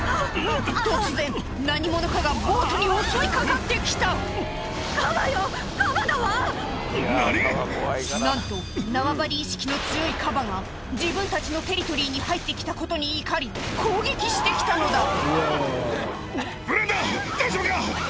突然何者かがボートに襲い掛かって来た・何⁉・なんと縄張意識の強いカバが自分たちのテリトリーに入って来たことに怒り攻撃して来たのだ！